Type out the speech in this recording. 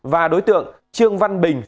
và đối tượng trương văn bình